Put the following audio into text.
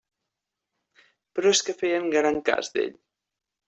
Però és que feien gran cas d'ell?